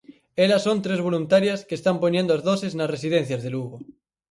Elas son tres voluntarias que están poñendo as doses nas residencias de Lugo.